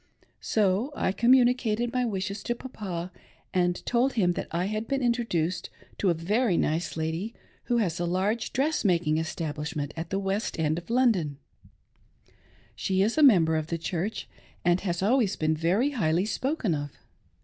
Sol communicated my wishes to Papa, and told him that I had been introduced to a very nice lady, who has a large dress making establishment at the west end of London ; she is a member of the Church, and has always been very highly spoken of.